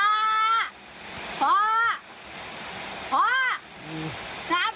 พ่อพ่อพ่อหายได้หรือเปล่าหายได้หรือเปล่าพ่อ